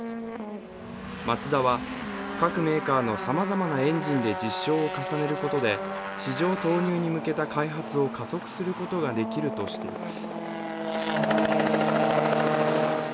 マツダは、各メーカーのさまざまなエンジンで実証を重ねることで市場投入に向けた開発を加速することができるとしています。